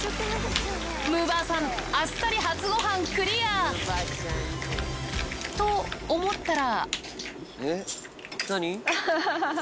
むぅばあさん、あっさり初ごはんクリア。と思ったら。